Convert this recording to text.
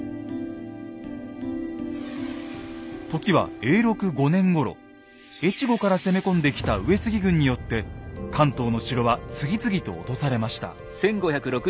時は越後から攻め込んできた上杉軍によって関東の城は次々と落とされました。